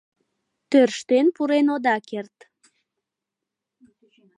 Тӧрштен пурен ода керт.